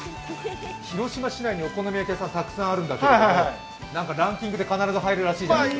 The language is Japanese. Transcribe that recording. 広島市内にお好み焼き屋さん、たくさんあるんですけど、ランキングで必ず入るらしいですね。